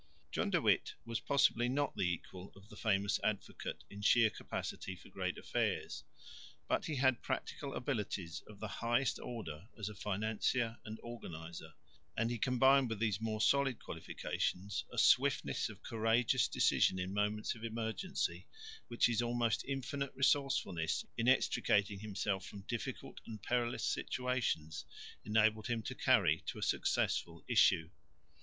John de Witt was possibly not the equal of the famous Advocate in sheer capacity for great affairs, but he had practical abilities of the highest order as a financier and organiser, and he combined with these more solid qualifications a swiftness of courageous decision in moments of emergency which his almost infinite resourcefulness in extricating himself from difficult and perilous situations, enabled him to carry to a successful issue.